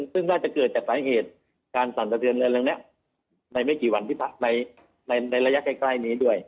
ซึ่งน่าจะเกิดจากสาเหตุการสันตะเตือนอะไรแบบนี้ในระยะใกล้นี้ด้วย